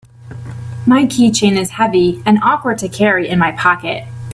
My keychain is heavy and awkward to carry in my pocket.